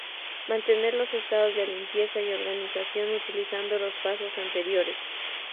Mantener los estados de limpieza y organización utilizando los pasos anteriores.